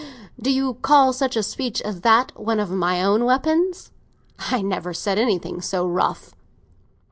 "Do you call such a speech as that one of my own weapons? I never said anything so rough."